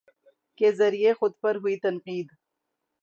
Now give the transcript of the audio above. کے ذریعے خود پر ہوئی تنقید